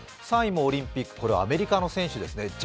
３位もオリンピック、アメリカの選手ですね。